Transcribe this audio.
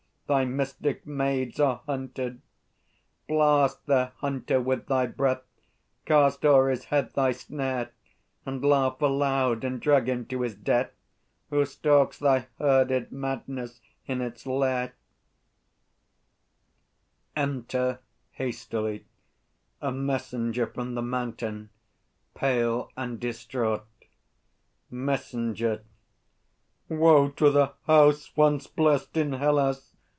Thy mystic maids Are hunted! Blast their hunter with thy breath, Cast o'er his head thy snare; And laugh aloud and drag him to his death, Who stalks thy herded madness in its lair! Enter hastily a MESSENGER from the Mountain, pale and distraught. MESSENGER. Woe to the house once blest in Hellas!